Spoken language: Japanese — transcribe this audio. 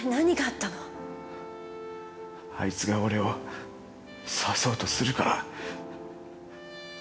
あいつが俺を刺そうとするから。